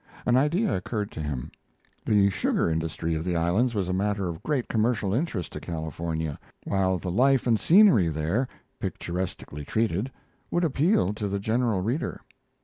An idea occurred to him: the sugar industry of the islands was a matter of great commercial interest to California, while the life and scenery there, picturesquely treated, would appeal to the general reader.